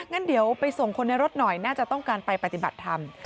งั้นเดี๋ยวไปส่งคนในรถหน่อยน่าจะต้องการไปปฏิบัติธรรม